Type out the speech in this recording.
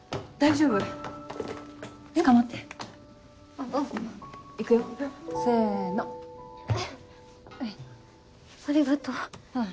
ありがとう。